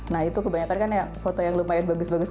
nah itu kebanyakan kan foto yang lumayan bagus bagus